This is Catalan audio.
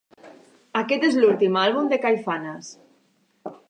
Aquest és l'últim àlbum de Caifanes.